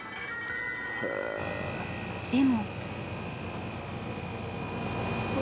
でも。